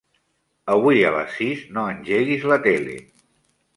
Avui a les sis no engeguis la tele.